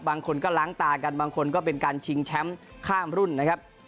บางคนก็ล้างตากันบางคนก็เป็นการชิงแชมป์ข้ามรุ่นนะครับ